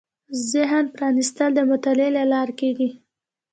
ذهن پرانېستل د مطالعې له لارې کېږي